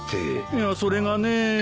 いやそれがね。